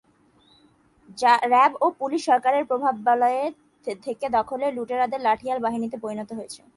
RAB ও police সরকারের প্রভাববলয়ে থেকে দখলদার লুটেরাদের লাঠিয়াল বাহিনীতে পরিণত হয়েছে।